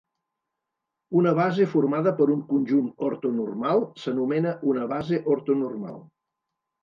Una base formada per un conjunt ortonormal s'anomena una base ortonormal.